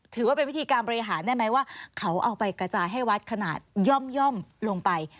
ถือว่าเป็นวิธีการบริหารได้ไหมว่าเขาเอาไปกระจายให้วัดขนาดย่อมลงไป